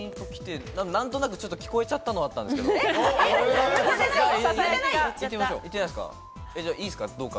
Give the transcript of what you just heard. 何となく、ちょっと聞こえちゃったのあるんですけど、いいですか？